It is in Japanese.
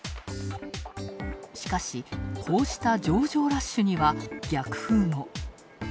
しかし、こうした上場ラッシュには逆風も。